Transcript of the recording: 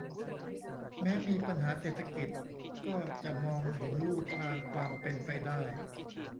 แม้มีปัญหาเศรษฐกิจก็จะมองเห็นลู่ทางความเป็นไปได้